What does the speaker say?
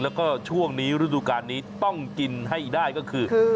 แล้วก็ช่วงนี้ฤดูการนี้ต้องกินให้ได้ก็คือ